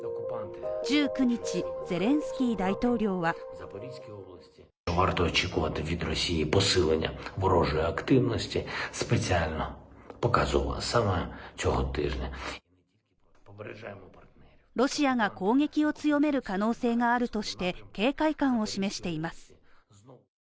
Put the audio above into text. １９日、ゼレンスキー大統領はロシアが攻撃を強める可能性があるとして警戒感を示しています